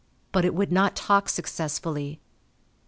But it would not talk successfully.